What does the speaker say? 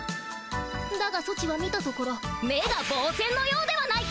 だがソチは見たところ目がぼう線のようではないか！